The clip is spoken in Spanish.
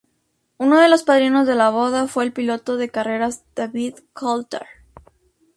Uno de los padrinos de la boda fue el piloto de carreras, David Coulthard.